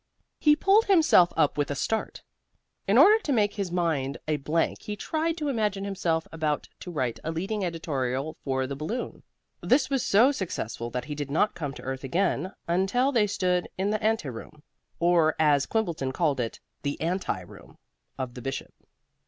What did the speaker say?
He pulled himself up with a start. In order to make his mind a blank he tried to imagine himself about to write a leading editorial for the Balloon. This was so successful that he did not come to earth again until they stood in the ante room or as Quimbleton called it, the anti room of the Bishop.